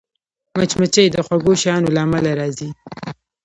مچمچۍ د خوږو شیانو له امله راځي